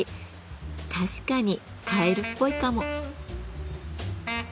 確かにカエルっぽいかも。